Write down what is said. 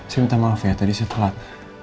saya minta maaf ya tadi setelah